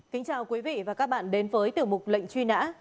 kính chào quý vị và các bạn đến với tiểu mục lệnh truy nã